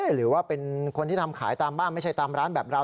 หรือว่าเป็นคนที่ทำขายตามบ้านไม่ใช่ตามร้านแบบเรา